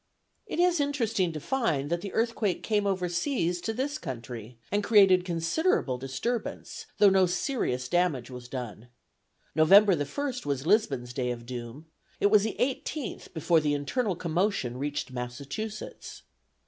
It is interesting to find that the earthquake came over seas to this country, and created considerable disturbance, though no serious damage was done. November the first was Lisbon's day of doom; it was the eighteenth before the internal commotion reached Massachusetts.